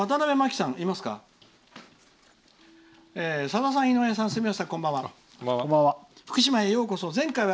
「さださん、井上さん住吉さん、こんばんは。